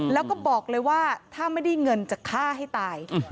แล้วก็บอกเลยว่าถ้าไม่ได้เงินจะฆ่าให้ตาย